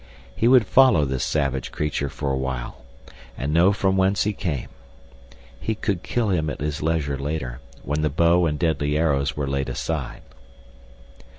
He would follow this savage creature for a while and know from whence he came. He could kill him at his leisure later, when the bow and deadly arrows were laid aside.